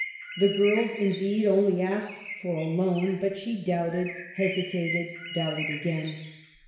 The girls indeed only asked for a loan, but she doubted, hesitated, 92 EMILY BRONTE. doubted again.